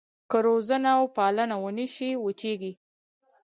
که روزنه وپالنه ونه شي وچېږي.